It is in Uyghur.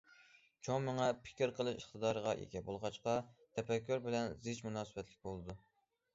چوڭ مېڭە پىكىر قىلىش ئىقتىدارىغا ئىگە بولغاچقا، تەپەككۇر بىلەن زىچ مۇناسىۋەتلىك بولىدۇ.